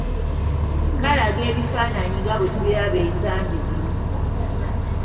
Kalaga ebifaananyi nga bwe tubiraba ensangi zino